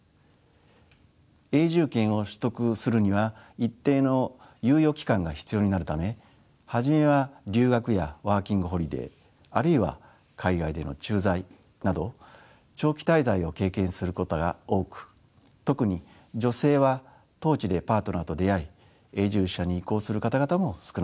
永住権を取得するには一定の猶予期間が必要になるため初めは留学やワーキングホリデーあるいは海外での駐在など長期滞在を経験することが多く特に女性は当地でパートナーと出会い永住者に移行する方々も少なくないようですね。